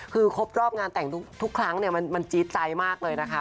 คือครบรอบงานแต่งทุกครั้งมันจี๊ดใจมากเลยนะคะ